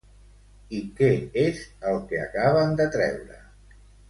I què és el que acaben de treure?